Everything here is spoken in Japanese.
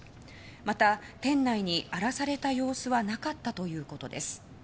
また、店内に荒らされた様子はなかったということです。